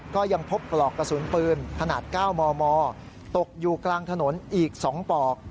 ก็ยังพบปลอกกระสุนปืนขนาด๙มมตกอยู่กลางถนนอีก๒ปลอก